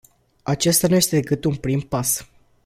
Acesta nu este decât un prim pas.